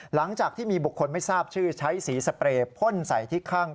หลังจากที่มีบุคคลไม่ทราบชื่อใช้สีสเปรย์พ่นใส่ที่ข้าง